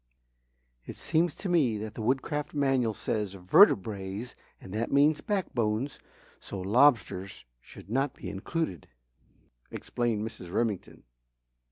"It seems to me that the Woodcraft Manual says 'vertebrates' and that means 'back bones'; so lobsters should not be included," explained Mrs. Remington.